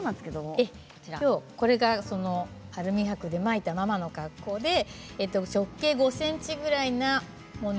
これがアルミはくで巻いたままの格好で直径５ｃｍくらいのもの。